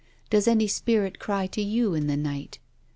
Does any spirit cry to you in the night?"